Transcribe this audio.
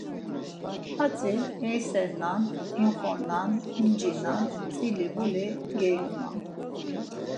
Hatzi eiselnan, imxornan, incirnan, tzili buli gyulunan.